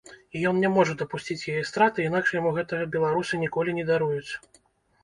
І ён не можа дапусціць яе страты, інакш яму гэтага беларусы ніколі не даруюць.